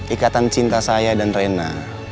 ikatan cinta saya dan rena